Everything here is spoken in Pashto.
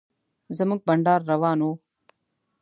زموږ بنډار روان و.